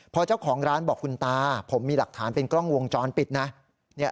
พอเจ้าของร้านบอกคุณตาผมมีหลักฐานเป็นกล้องวงจรปิดนะ